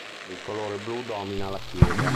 Il colore blu domina la chiesa.